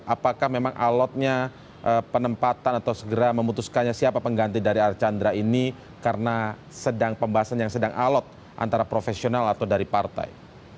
apakah memang alotnya penempatan atau segera memutuskannya siapa pengganti dari archandra ini karena sedang pembahasan yang sedang alot antara profesional atau dari partai